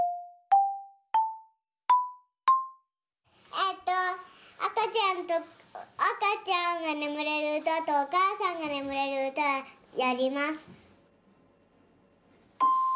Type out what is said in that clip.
えっとあかちゃんとあかちゃんがねむれるうたとおかあさんがねむれるうたやります。